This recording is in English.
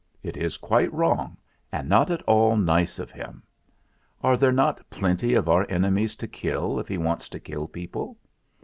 It is quite wrong, and not at all nice of him. Are there not plenty of our enemies to kill, if he wants to kill people?